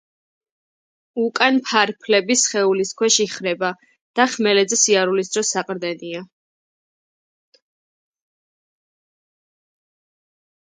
უკანა ფარფლები სხეულის ქვეშ იხრება და ხმელეთზე სიარულის დროს საყრდენია.